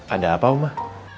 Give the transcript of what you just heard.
ada apa umar